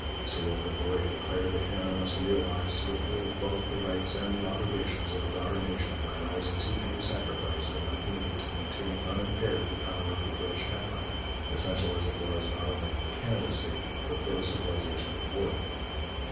Sir Wilfrid Laurier declared that Canada must realize to the full both the rights and the obligations of a daughter nation by rising to any sacrifice that might be needed to maintain unimpaired the power of the British Empire, essential as it was not only for Canada's safety but for the civilization of the world.